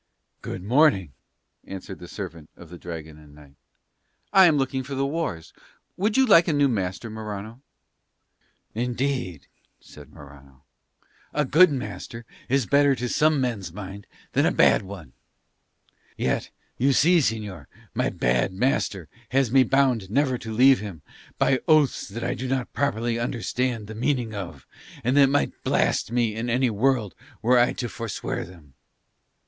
"Good morning," answered the servant of the Dragon and Knight. "I am looking for the wars. Would you like a new master, Morano?" "Indeed," said Morano, "a good master is better to some men's minds than a bad one. Yet, you see señor, my bad master has me bound never to leave him, by oaths that I do not properly understand the meaning of, and that might blast me in any world were I to forswear them.